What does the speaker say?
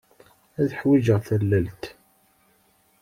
Ad ḥwijeɣ tallalt.